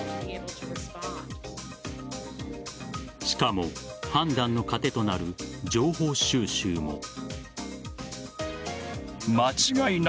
しかも判断の糧となる情報収集も。